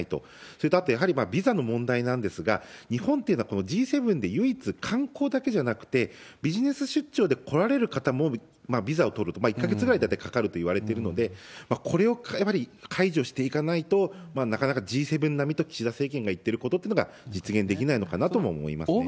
それとあとやっぱりビザの問題なんですが、日本というのはこのＧ７で唯一、観光だけじゃなくて、ビジネス出張で来られる方もビザを取ると、１か月ぐらい大体かかるといわれているので、これをやはり解除していかないと、なかなかＧ７並みと、岸田政権が言ってることというのが実現できないのかなとは思いますね。